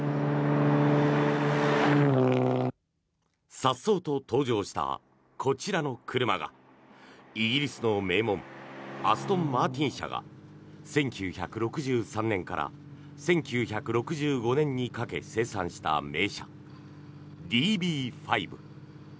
さっそうと登場したこちらの車がイギリスの名門アストンマーティン社が１９６３年から１９６５年にかけ生産した名車ＤＢ５。